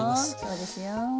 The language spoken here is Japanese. そうですよ。